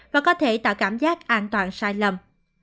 và có thể tạo cảm giác an toàn sai lầm